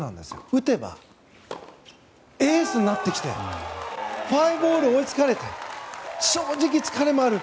打てばエースになってきて５−５で追いつかれて正直、疲れもある。